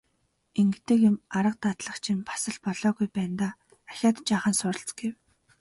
Ингэдэг юм, арга дадлага чинь бас л болоогүй байна даа, ахиад жаахан суралц гэв.